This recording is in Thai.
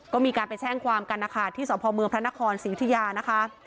ก็มีการไปแจ้งความกันนะคะที่สพเมืองพระนครศรียุธิยานะคะ